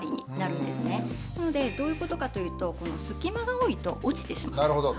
なのでどういうことかというと隙間が多いと落ちてしまう。